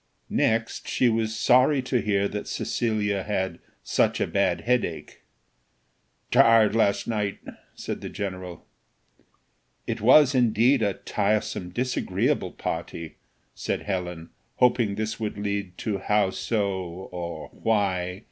Next, she was sorry to hear that Cecilia had "such a bad headache." "Tired last night," said the general. "It was, indeed, a tiresome, disagreeable party," said Helen, hoping this would lead to how so? or why?